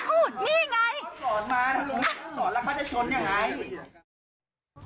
ก็กรอดมาถ้าลุงไปกรอดแล้วเขาจะชนยังไง